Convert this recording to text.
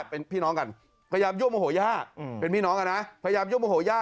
เป็นพี่น้องกันพยายามยั่วโมโหย่า